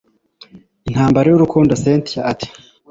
intambara yurukundo cyntia ati